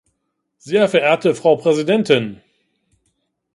Sehr verehrte Frau Präsidentin!